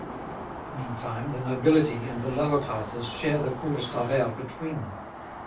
Meantime, the nobility and the lower classes share the Cours Sauvaire between them.